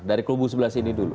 dari kubu sebelah sini dulu